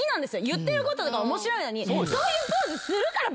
言ってることとか面白いのにそういうポーズするから。